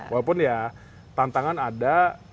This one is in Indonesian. walaupun ya tantangan ada